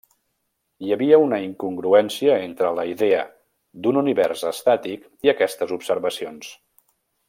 Hi havia una incongruència entre la idea d'un univers estàtic i aquestes observacions.